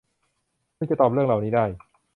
ซึ่งจะตอบเรื่องเหล่านี้ได้